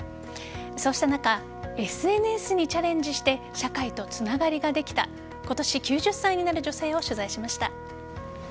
そうした中ＳＮＳにチャレンジして社会とつながりができた今年９０歳になる女性を取材しました。